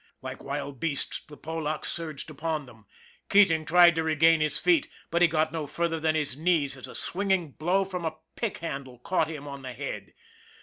Like wild beasts the Polacks surged upon them. Keating tried to regain his feet but he got no further than his knees as a swinging blow from a pick handle caught him on his head.